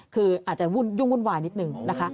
คืออาจจะยุ่งวุ่นวายนิดนึงนะคะ